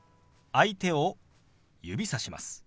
相手を指さします。